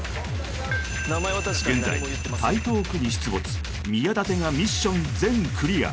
現在台東区に出没宮舘がミッション全クリア